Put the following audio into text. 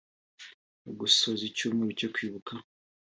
Mu gusoza icyumweru cyo kwibuka